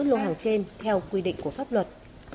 lô hàng trên theo quy định của pháp luật